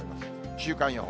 週間予報。